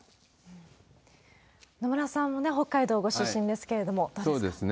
野村さんね、北海道ご出身ですけれども、どうですか？